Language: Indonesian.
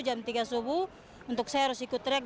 jam tiga subuh untuk saya harus ikut track